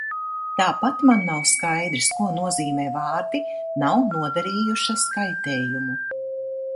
"Tāpat man nav skaidrs, ko nozīmē vārdi "nav nodarījušas kaitējumu"."